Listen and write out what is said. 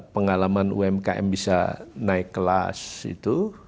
pengalaman umkm bisa naik kelas itu